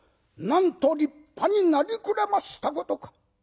なんと立派になりくれましたことか」。